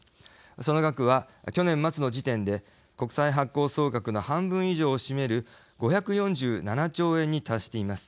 その額は去年末の時点で国債発行総額の半分以上を占める５４７兆円に達しています。